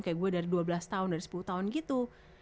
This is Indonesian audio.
kayak gue dari dua belas tahun dari sepuluh tahun gitu